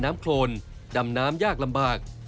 ดำนามยากลำบาก